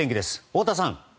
太田さん。